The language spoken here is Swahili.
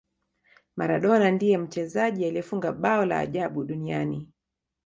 maradona ndiye mchezaji aliyefunga bao la ajabu duniani